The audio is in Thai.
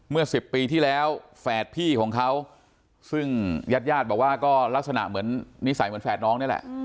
เมื่อ๑๐ปีที่แล้วแฝดพี่ของเขาซึ่งญาติญาติบอกว่าก็ลักษณะเหมือนนิสัยเหมือนแฝดน้องนี่แหละ